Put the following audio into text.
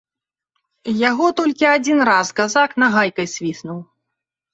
Яго толькі адзін раз казак нагайкай свіснуў.